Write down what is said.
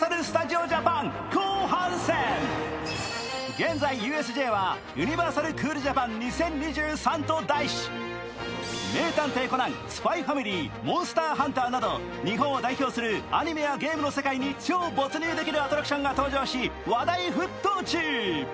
現在、ＵＳＪはユニバーサル・クールジャパン２０２３と題し「名探偵コナン」、「ＳＰＹ×ＦＡＭＩＬＹ」、「モンスターハンター」など日本を代表するアニメやゲームの世界に超没入できるアトラクションが登場し、話題沸騰中。